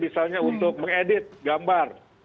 misalnya untuk mengedit gambar